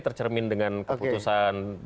tercermin dengan keputusan